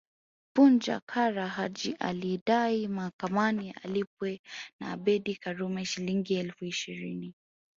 Punja Kara Haji alidai mahakamani alipwe na Abeid Karume Shilingi elfu ishirini